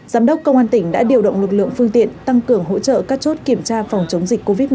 giám đốc công an tỉnh đã điều động lực lượng phương tiện tăng cường hỗ trợ các chốt kiểm tra phòng chống dịch covid một mươi